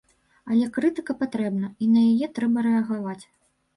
Але крытыка патрэбна, і на яе трэба рэагаваць.